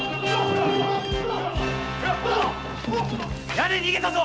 屋根に逃げたぞ！